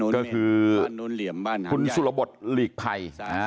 ก็คือคุณสุรบทหลีกภัย